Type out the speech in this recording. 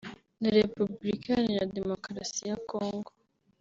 na Repubulika iharanira Demokarasi ya Congo